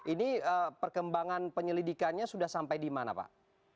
ini perkembangan penyelidikannya sudah sampai di mana pak